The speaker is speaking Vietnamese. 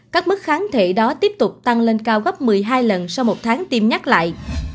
các mức kháng thể đó tiếp tục tăng lên cao gấp một mươi hai lần sau một tháng tiêm nhắc lại